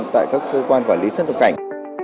tại các cơ quan quản lý sân tộc cảnh